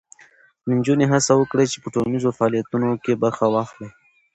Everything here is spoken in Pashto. نجونې هڅه وکړي چې په ټولنیزو فعالیتونو کې برخه واخلي.